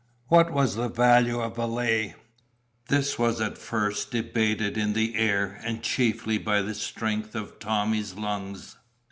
What was the value of a lay? This was at first debated in the air and chiefly by the strength of Tommy's lungs.